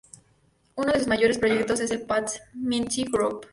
Uno de sus mayores proyectos es el "Pat Metheny Group".